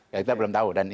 kita belum tahu dan ini